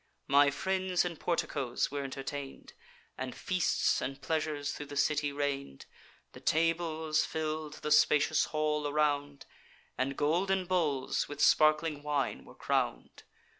My friends in porticoes were entertain'd, And feasts and pleasures thro' the city reign'd. The tables fill'd the spacious hall around, And golden bowls with sparkling wine were crown'd.